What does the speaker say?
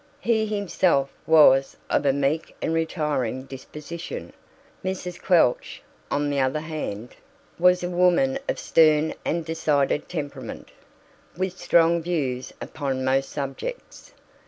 He himself was of a meek and retiring disposition. Mrs. Quelch, on the other hand, was a woman of stern and decided temperament, with strong views upon most subjects.